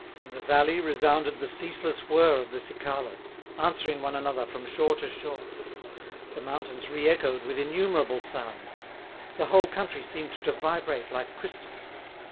In the valley resounded the ceaseless whirr of the cicalas, answering one another from shore to shore; the mountains reechoed with innumerable sounds; the whole country seemed to vibrate like crystal.